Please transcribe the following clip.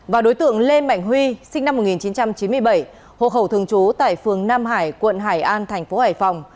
và đối tượng lê mạnh huy sinh năm một nghìn chín trăm chín mươi bảy hộ khẩu thường trú tại phường nam hải quận hải an thành phố hải phòng